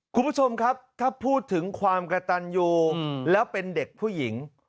คุณผู้ชมครับถ้าพูดถึงความกระตันอยู่แล้วเป็นเด็กผู้หญิง